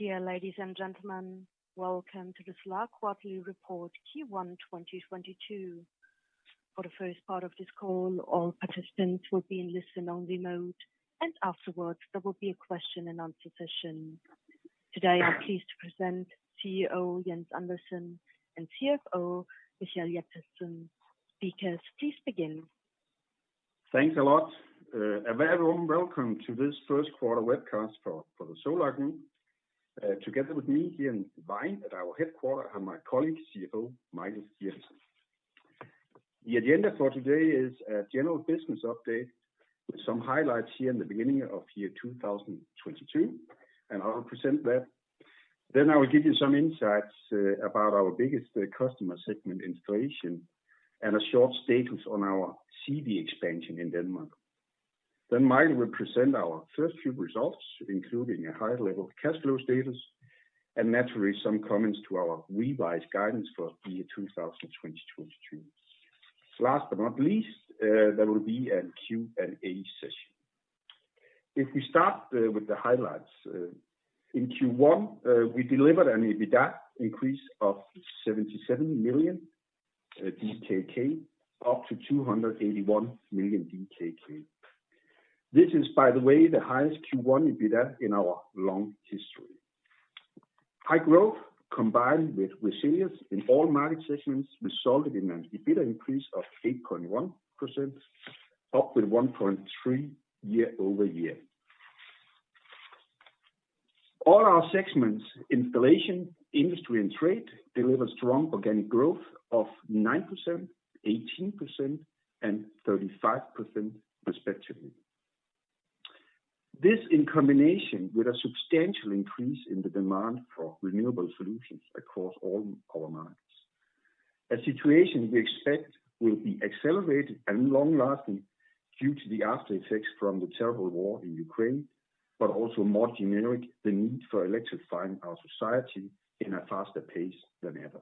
Dear ladies and gentlemen, welcome to the Solar Group quarterly report Q1 2022. For the first part of this call, all participants will be in listen-only mode, and afterwards there will be a question and answer session. Today, I'm pleased to present CEO Jens Andersen and CFO Michael Jeppesen. Speakers, please begin. Thanks a lot. Everyone, welcome to this first quarter webcast for the Solar Group. Together with me here in Vejen at our headquarters are my colleague, CFO Michael Jeppesen. The agenda for today is a general business update with some highlights here in the beginning of year 2022, and I will present that. I will give you some insights about our biggest customer segment installation and a short status on our central warehouse expansion in Denmark. Michael will present our first quarter results, including a high level cash flow status, and naturally some comments to our revised guidance for year 2022. Last but not least, there will be a Q&A session. If we start with the highlights in Q1, we delivered an EBITDA increase of 77 million DKK, up to 281 million DKK. This is, by the way, the highest Q1 EBITDA in our long history. High growth combined with resilience in all market segments resulted in an EBITDA increase of 8.1%, up with 1.3 year-over-year. All our segments, installation, industry and trade, deliver strong organic growth of 9%, 18% and 35% respectively. This in combination with a substantial increase in the demand for renewable solutions across all our markets. A situation we expect will be accelerated and long-lasting due to the after effects from the terrible war in Ukraine, but also more generally, the need for electrifying our society in a faster pace than ever.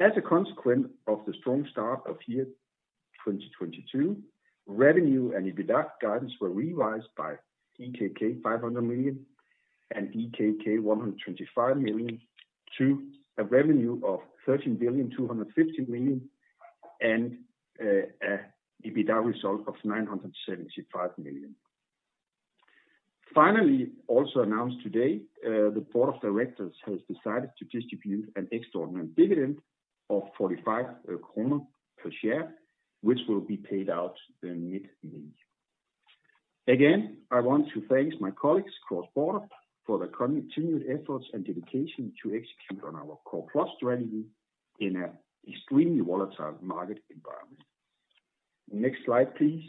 As a consequence of the strong start of 2022, revenue and EBITDA guidance were revised by 500 million and 125 million to a revenue of 13.25 billion and EBITDA result of 975 million. Finally, also announced today, the board of directors has decided to distribute an extraordinary dividend of 45 kroner per share, which will be paid out in mid-May. Again, I want to thank my colleagues across border for their continued efforts and dedication to execute on our Core-Plus strategy in an extremely volatile market environment. Next slide, please.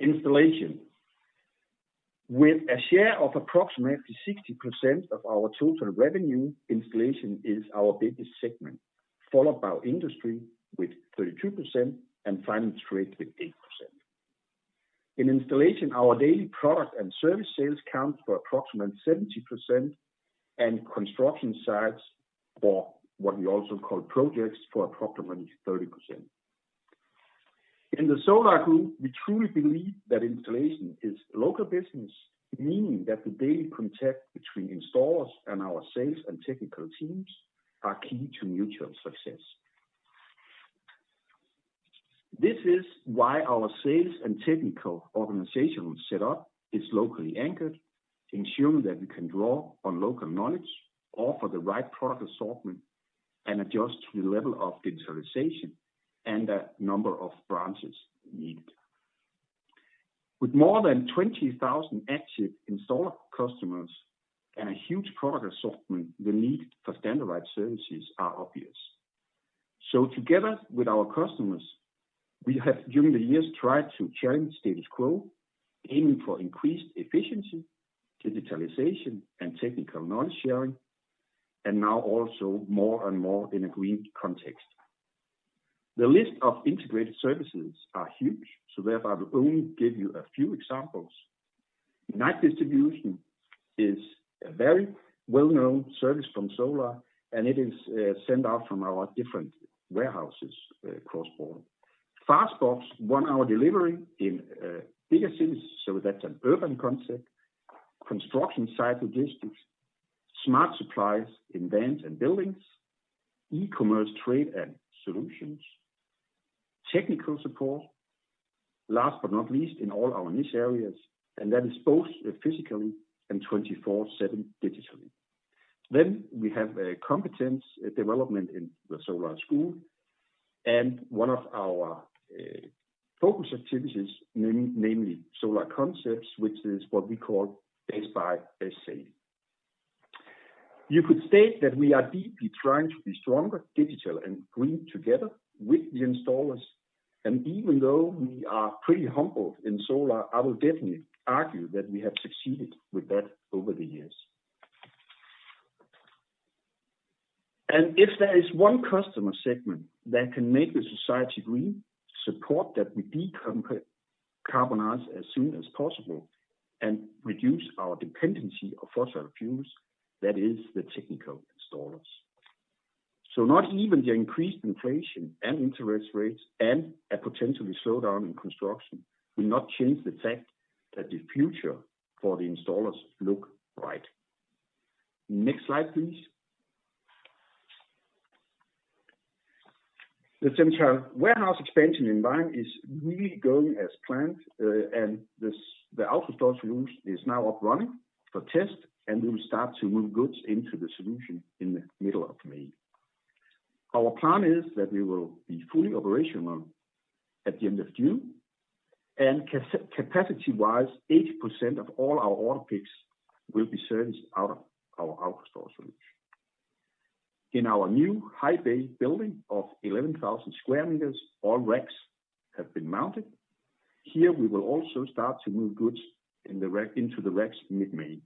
Installation. With a share of approximately 60% of our total revenue, installation is our biggest segment, followed by our industry with 32% and finally trade with 8%. In installation, our daily product and service sales counts for approximately 70% and construction sites, or what we also call projects, for approximately 30%. In the Solar Group, we truly believe that installation is local business, meaning that the daily contact between installers and our sales and technical teams are key to mutual success. This is why our sales and technical organizational set up is locally anchored, ensuring that we can draw on local knowledge, offer the right product assortment, and adjust to the level of digitalization and the number of branches needed. With more than 20,000 active installer customers and a huge product assortment, the need for standardized services are obvious. Together with our customers, we have during the years tried to change status quo, aiming for increased efficiency, digitalization, and technical knowledge sharing, and now also more and more in a green context. The list of integrated services are huge, so therefore, I will only give you a few examples. Night distribution is a very well-known service from Solar, and it is sent out from our different warehouses across border. Fastbox one-hour delivery in bigger cities, so that's an urban concept. Construction site logistics, smart supplies in vans and buildings, e-commerce trade and solutions, technical support, last but not least in all our niche areas, and that is both physically and 24/7 digitally. We have a competence development in the Solar School and one of our focus activities, namely Solar Concepts, which is what we call dags by Solar. You could state that we are deeply trying to be stronger, digital and green together with the installers. Even though we are pretty humbled in Solar, I will definitely argue that we have succeeded with that over the years. If there is one customer segment that can make the society green, support that we decarbonize as soon as possible, and reduce our dependency of fossil fuels, that is the technical installers. Not even the increased inflation and interest rates and a potential slowdown in construction will not change the fact that the future for the installers look bright. Next slide, please. The Central Warehouse expansion in Vejen is really going as planned, and this, the AutoStore solution is now up and running for test, and we will start to move goods into the solution in the middle of May. Our plan is that we will be fully operational at the end of June, and capacity-wise, 80% of all our order picks will be serviced out of our AutoStore solution. In our new high bay building of 11,000 square meters, all racks have been mounted. Here, we will also start to move goods into the racks mid-May.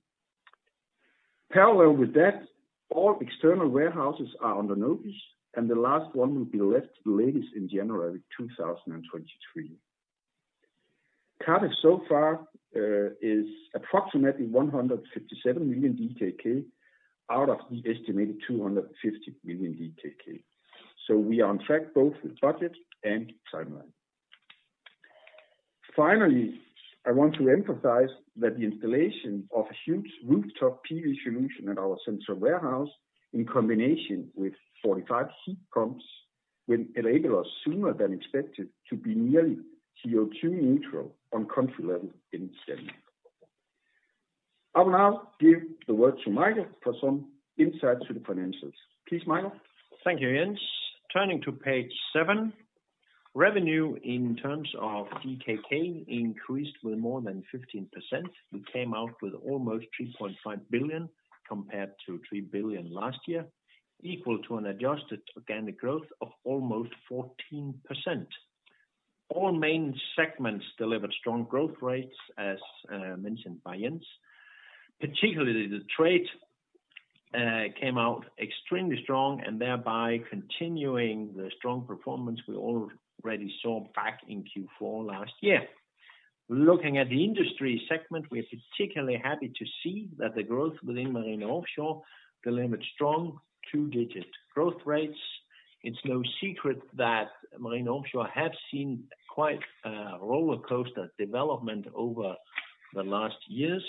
Parallel with that, all external warehouses are under notice, and the last one will be left the latest in January 2023. Cost so far is approximately 157 million DKK out of the estimated 250 million DKK. We are on track both with budget and timeline. Finally, I want to emphasize that the installation of a huge rooftop PV solution at our central warehouse in combination with 45 heat pumps will enable us sooner than expected to be nearly CO2 neutral on country level in Denmark. I will now give the word to Michael for some insight to the financials. Please, Michael. Thank you, Jens. Turning to page seven, revenue in terms of DKK increased with more than 15%. We came out with almost 3.5 billion compared to 3 billion last year, equal to an adjusted organic growth of almost 14%. All main segments delivered strong growth rates, as mentioned by Jens. Particularly the trade came out extremely strong and thereby continuing the strong performance we already saw back in Q4 last year. Looking at the industry segment, we're particularly happy to see that the growth within Marine & Offshore delivered strong two-digit growth rates. It's no secret that Marine & Offshore have seen quite a rollercoaster development over the last years,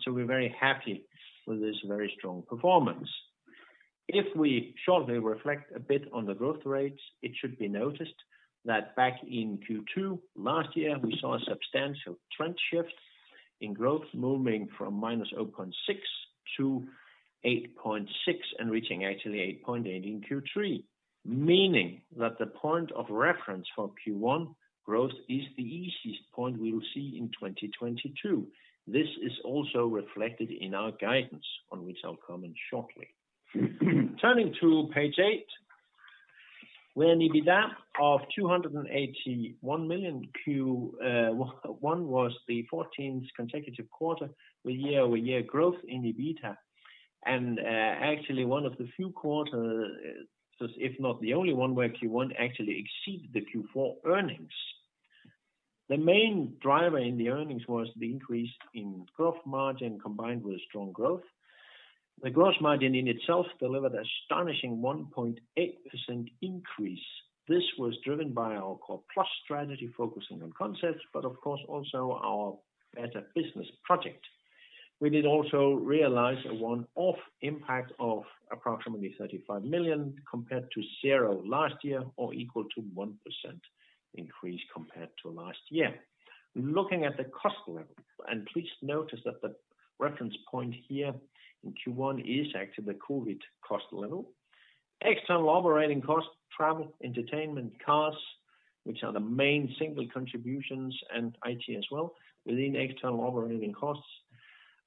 so we're very happy with this very strong performance. If we shortly reflect a bit on the growth rates, it should be noticed that back in Q2 last year, we saw a substantial trend shift in growth moving from -0.6% to 8.6% and reaching actually 8.8% in Q3, meaning that the point of reference for Q1 growth is the easiest point we will see in 2022. This is also reflected in our guidance on which I'll comment shortly. Turning to page eight, where an EBITDA of 281 million in Q1 was the 14th consecutive quarter with year-over-year growth in EBITDA. Actually one of the few quarters, if not the only one, where Q1 actually exceeded the Q4 earnings. The main driver in the earnings was the increase in gross margin combined with strong growth. The growth margin in itself delivered astonishing 1.8% increase. This was driven by our Core-Plus strategy focusing on concepts, but of course also our Better Business project. We did also realize a one-off impact of approximately 35 million compared to zero last year or equal to 1% increase compared to last year. Looking at the cost level, please notice that the reference point here in Q1 is actually the COVID cost level. External operating costs, travel, entertainment, cars, which are the main single contributions, and IT as well within external operating costs,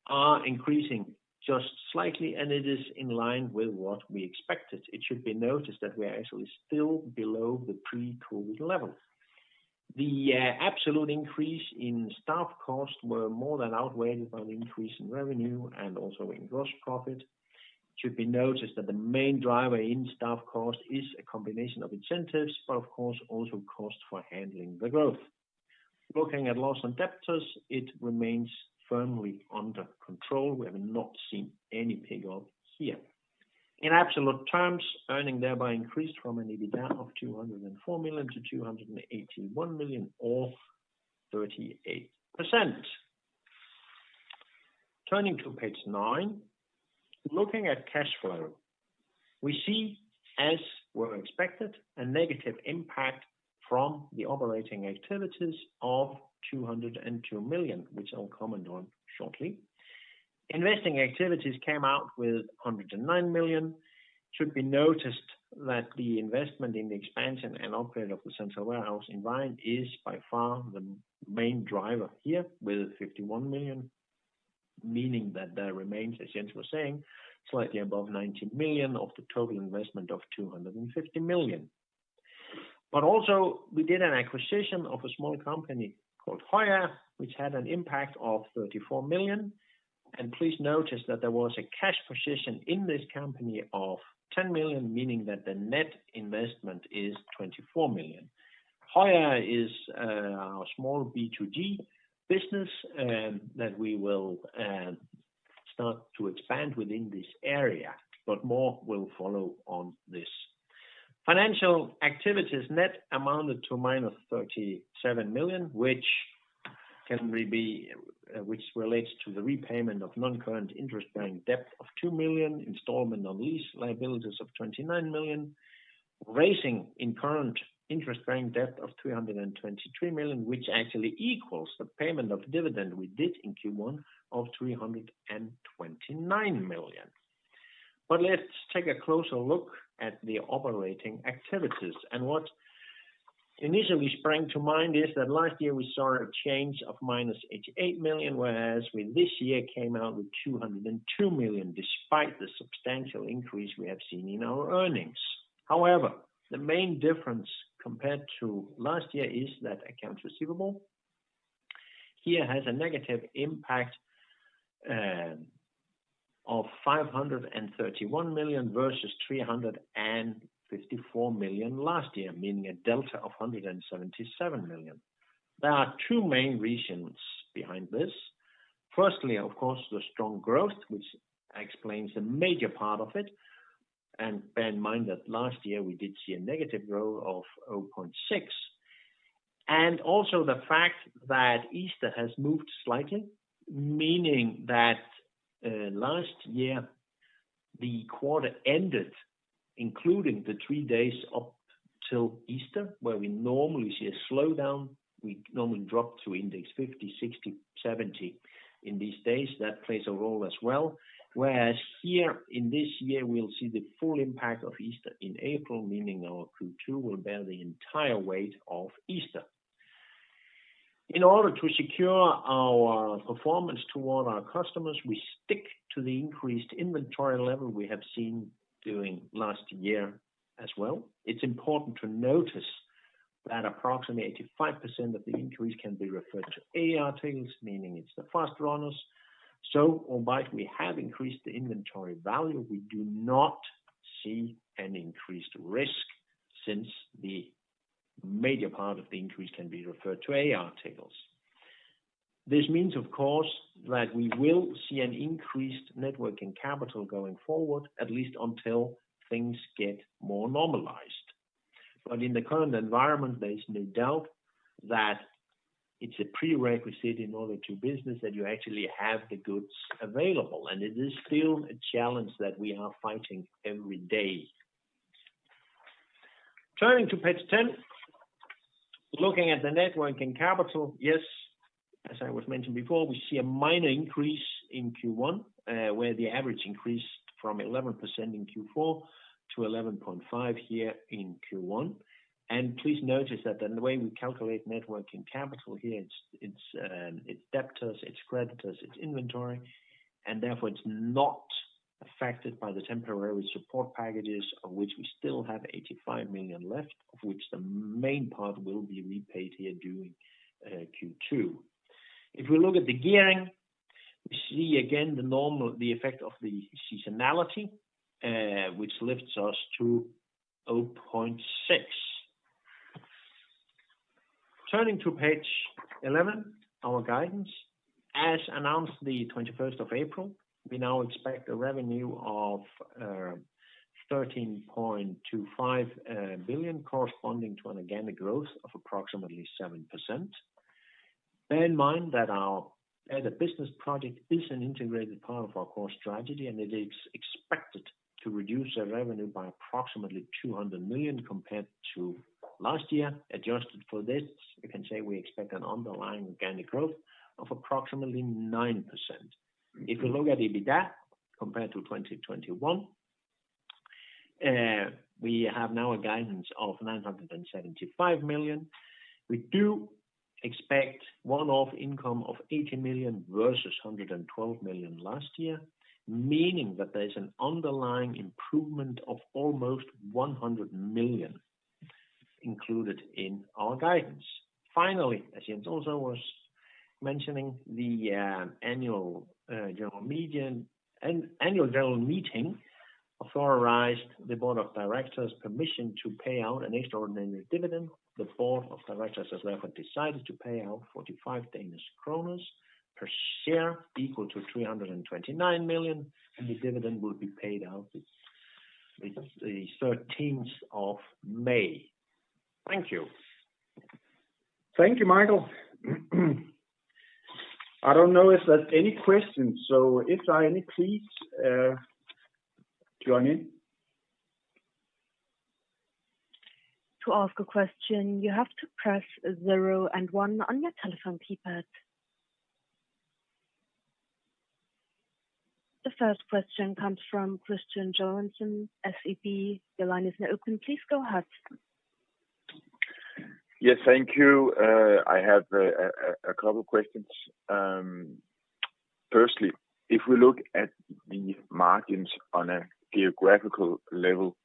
are increasing just slightly, and it is in line with what we expected. It should be noticed that we are actually still below the pre-COVID levels. The absolute increase in staff costs were more than outweighed by the increase in revenue and also in gross profit. It should be noticed that the main driver in staff cost is a combination of incentives, but of course also cost for handling the growth. Looking at loss on debtors, it remains firmly under control. We have not seen any write-off here. In absolute terms, earnings thereby increased from an EBITDA of 204 million to 281 million, or 38%. Turning to page nine, looking at cash flow. We see, as was expected, a negative impact from the operating activities of 202 million, which I'll comment on shortly. Investing activities came out with 109 million. should be noticed that the investment in the expansion and upgrade of the Central Warehouse environment is by far the main driver here with 51 million, meaning that there remains, as Jens was saying, slightly above 19 million of the total investment of 250 million. Also, we did an acquisition of a small company called Højgaards, which had an impact of 34 million. Please notice that there was a cash position in this company of 10 million, meaning that the net investment is 24 million. Højgaards is a small B2C business that we will start to expand within this area, but more will follow on this. Financial activities net amounted to minus 37 million, which can be. Which relates to the repayment of non-current interest bearing debt of 2 million, installment on lease liabilities of 29 million, raising in current interest bearing debt of 323 million, which actually equals the payment of dividend we did in Q1 of 329 million. Let's take a closer look at the operating activities. What initially sprang to mind is that last year we saw a change of minus 88 million, whereas we this year came out with 202 million, despite the substantial increase we have seen in our earnings. The main difference compared to last year is that accounts receivable here has a negative impact of 531 million versus 354 million last year, meaning a delta of 177 million. There are two main reasons behind this. Firstly, of course, the strong growth, which explains a major part of it. Bear in mind that last year we did see a negative growth of 0.6%. Also the fact that Easter has moved slightly, meaning that last year the quarter ended including the 3 days up till Easter, where we normally see a slowdown. We normally drop to index 50, 60, 70 in these days. That plays a role as well. Whereas here in this year, we'll see the full impact of Easter in April, meaning our Q2 will bear the entire weight of Easter. In order to secure our performance toward our customers, we stick to the increased inventory level we have seen during last year as well. It's important to notice that approximately 85% of the increase can be referred to AR deals, meaning it's the fast runners. Although we have increased the inventory value, we do not see an increased risk since the major part of the increase can be referred to AR deals. This means, of course, that we will see an increased net working capital going forward, at least until things get more normalized. In the current environment, there is no doubt that it's a prerequisite in order to do business that you actually have the goods available. It is still a challenge that we are fighting every day. Turning to page 10. Looking at the net working capital. Yes, as I was mentioning before, we see a minor increase in Q1, where the average increased from 11% in Q4 to 11.5% here in Q1. Please notice that the way we calculate net working capital here, it's debtors, it's creditors, it's inventory, and therefore it's not affected by the temporary support packages, of which we still have 85 million left, of which the main part will be repaid here during Q2. If we look at the gearing, we see again the normal effect of the seasonality, which lifts us to 0.6. Turning to page 11, our guidance. As announced the 21st of April, we now expect a revenue of 13.25 billion corresponding to an organic growth of approximately 7%. Bear in mind that our Better Business is an integrated part of our core strategy, and it is expected to reduce our revenue by approximately 200 million compared to last year. Adjusted for this, we can say we expect an underlying organic growth of approximately 9%. If you look at the EBITDA compared to 2021, we have now a guidance of 975 million. We do expect one-off income of 80 million versus 112 million last year, meaning that there's an underlying improvement of almost 100 million included in our guidance. Finally, as Jens also was mentioning, the annual general meeting authorized the board of directors permission to pay out an extraordinary dividend. The board of directors has therefore decided to pay out 45 Danish kroner per share, equal to 329 million, and the dividend will be paid out the 13th of May. Thank you. Thank you, Michael. I don't know if there's any questions. If there are any, please, join in. To ask a question, you have to press zero and one on your telephone keypad. The first question comes from Kristian Tornøe Johansen, SEB. Your line is now open. Please go ahead. Yes, thank you. I have a couple questions. Firstly, if we look at the margins on a geographical level,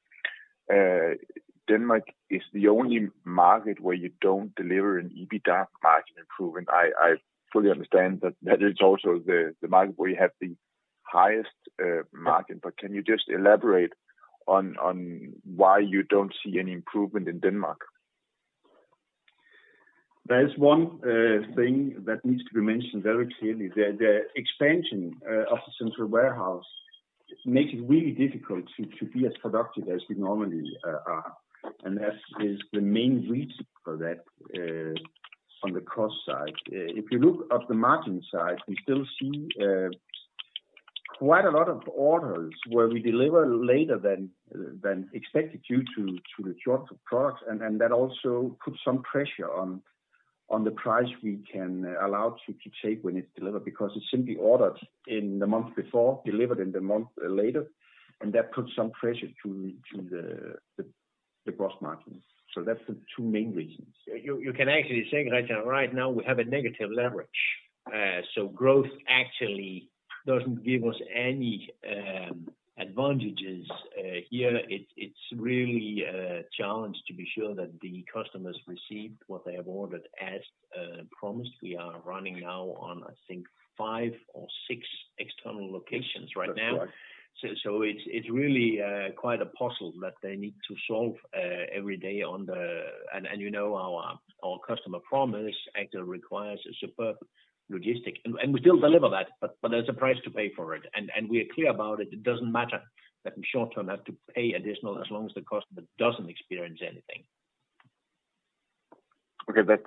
Denmark is the only market where you don't deliver an EBITDA margin improvement. I fully understand that is also the market where you have the highest margin, but can you just elaborate on why you don't see any improvement in Denmark? There's one thing that needs to be mentioned very clearly. The expansion of the Central Warehouse makes it really difficult to be as productive as we normally are, and that is the main reason for that on the cost side. If you look at the margin side, we still see quite a lot of orders where we deliver later than expected due to product shortages. That also puts some pressure on the price we can allow to take when it's delivered, because it's simply ordered in the month before, delivered in the month later, and that puts some pressure to the gross margins. That's the two main reasons. You can actually say that right now we have a negative leverage. Growth actually doesn't give us any advantages. Here it's really a challenge to be sure that the customers receive what they have ordered as promised. We are running now on, I think five or six external locations right now. That's right. It's really quite a puzzle that they need to solve every day. You know, our customer promise actually requires a superb logistics. We still deliver that, but there's a price to pay for it. We are clear about it. It doesn't matter that in short term we have to pay additional, as long as the customer doesn't experience anything. Okay. That's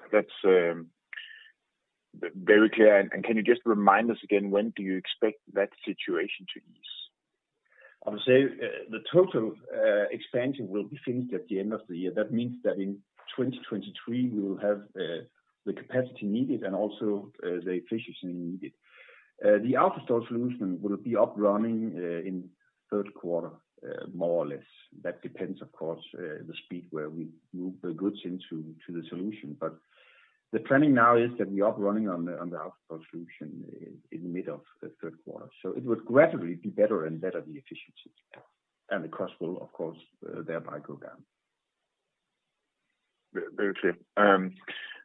very clear. Can you just remind us again, when do you expect that situation to ease? I would say the total expansion will be finished at the end of the year. That means that in 2023 we will have the capacity needed and also the efficiency needed. The AutoStore solution will be up running in third quarter, more or less. That depends, of course, the speed where we move the goods into the solution. The planning now is that we are up running on the AutoStore solution in mid of third quarter. It would gradually be better and better the efficiency. The cost will of course thereby go down. Very clear.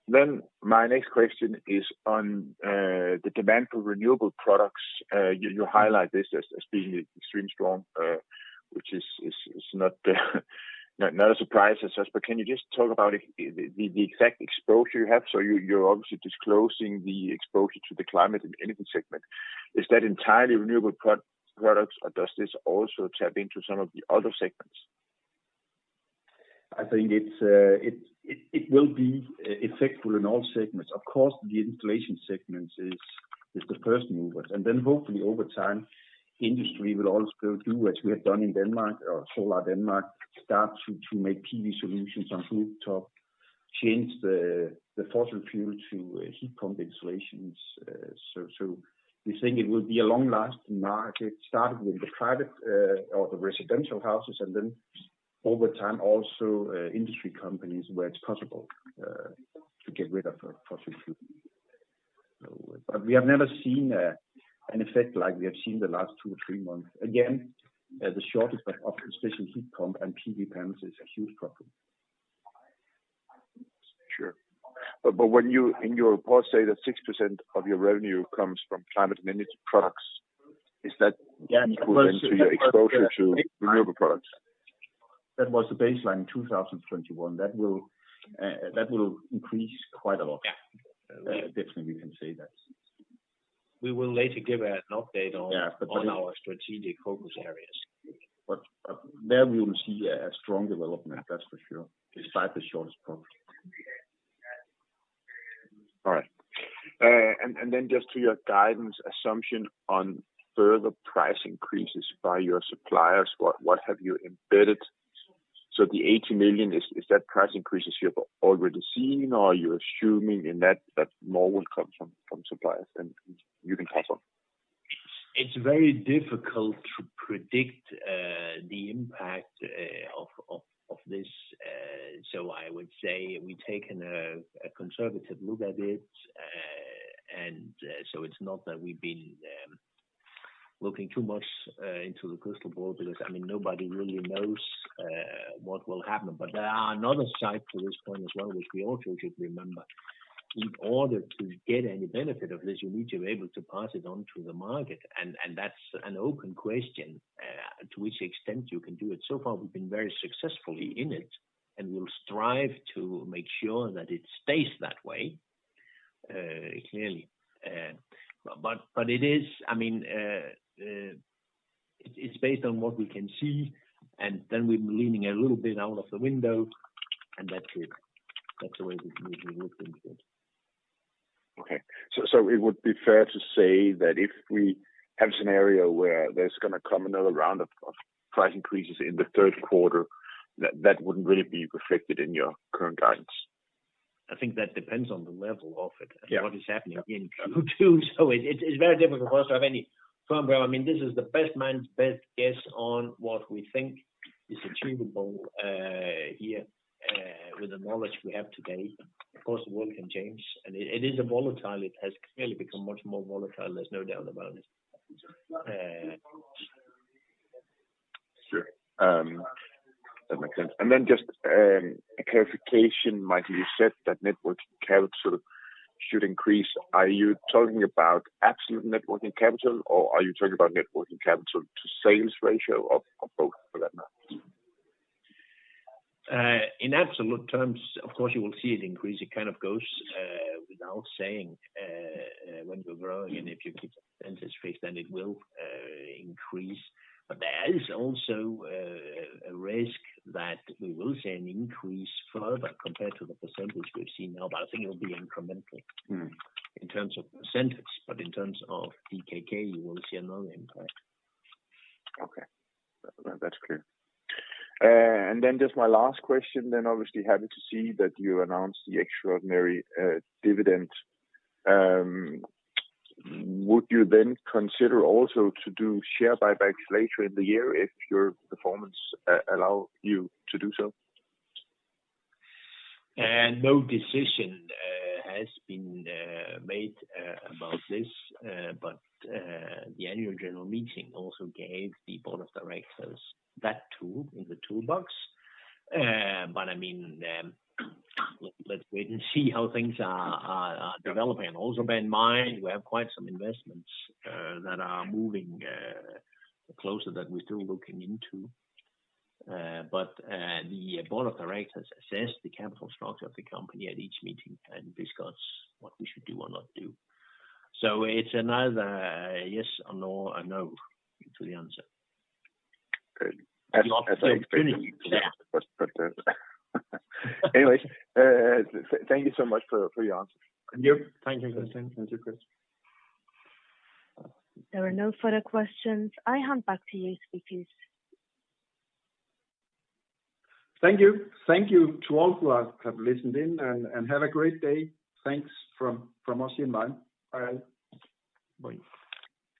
Then my next question is on the demand for renewable products. You highlight this as being extremely strong, which is not a surprise I guess. Can you just talk about the exact exposure you have? So you're obviously disclosing the exposure to the climate and energy segment. Is that entirely renewable products or does this also tap into some of the other segments? I think it's effective in all segments. Of course, the installation segments is the first movers, and then hopefully over time, industry will also do what we have done in Denmark or Solar Denmark, start to make PV solutions on rooftop, change the fossil fuel to heat pumps and insulations. We think it will be a long-lasting market, starting with the private or the residential houses, and then over time also industry companies where it's possible to get rid of fossil fuel. We have never seen an effect like we have seen the last two or three months. Again, the shortage of especially heat pump and PV panels is a huge problem. Sure. When you in your report say that 6% of your revenue comes from climate and energy products, is that- Yeah. equivalent to your exposure to renewable products? That was the baseline in 2021. That will increase quite a lot. Yeah. Definitely we can say that. We will later give an update on. Yeah. On our strategic focus areas. there we will see a strong development, that's for sure, despite the shortage problem. All right. Just to your guidance assumption on further price increases by your suppliers, what have you embedded? The 80 million, is that price increases you've already seen or are you assuming in that more will come from suppliers and you can pass on? It's very difficult to predict the impact of this. I would say we've taken a conservative look at it. It's not that we've been looking too much into the crystal ball because I mean, nobody really knows what will happen. There are another side to this coin as well, which we also should remember. In order to get any benefit of this, you need to be able to pass it on to the market. That's an open question to which extent you can do it. So far we've been very successfully in it, and we'll strive to make sure that it stays that way, clearly. It is. I mean, it's based on what we can see, and then we're leaning a little bit out of the window, and that's it. That's the way we look into it. Okay. It would be fair to say that if we have a scenario where there's gonna come another round of price increases in the third quarter, that wouldn't really be reflected in your current guidance? I think that depends on the level of it. Yeah. What is happening in Q2. It's very difficult for us to have any firm ground. I mean, this is the best man's best guess on what we think is achievable, here, with the knowledge we have today. Of course, the world can change, and it is volatile. It has clearly become much more volatile, there's no doubt about it. That makes sense. Just a clarification, Michael, you said that net working capital should increase. Are you talking about absolute net working capital or are you talking about net working capital to sales ratio or both for that matter? In absolute terms, of course you will see it increase. It kind of goes without saying when you're growing and if you keep expenses fixed, then it will increase. There is also a risk that we will see an increase further compared to the percentage we've seen now, but I think it will be incremental. Mm. In terms of percentage, but in terms of Danish Krone, you will see another impact. Okay. That's clear. Just my last question then obviously happy to see that you announced the extraordinary dividend. Would you then consider also to do share buybacks later in the year if your performance allow you to do so? No decision has been made about this. The annual general meeting also gave the board of directors that tool in the toolbox. I mean, let's wait and see how things are developing. Also bear in mind, we have quite some investments that are moving closer that we're still looking into. The board of directors assess the capital structure of the company at each meeting and discuss what we should do or not do. It's another yes or no, or no to the answer. Great. As I expected. Yeah. Anyways thank you so much for your answers. Yep. Thank you. Thanks. Thank you, Kris. There are no further questions. I hand back to you speakers. Thank you. Thank you to all who have listened in and have a great day. Thanks from us in Vejen. Bye. Bye.